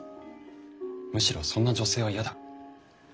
むしろそんな女性は嫌だ。